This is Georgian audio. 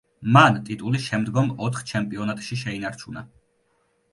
მან ტიტული შემდგომ ოთხ ჩემპიონატში შეინარჩუნა.